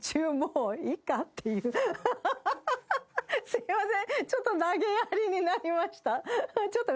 すいません。